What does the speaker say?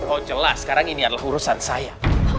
oh jelas sekarang ini adalah urusan saya